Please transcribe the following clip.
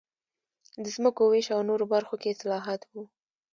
د ځمکو وېش او نورو برخو کې اصلاحات و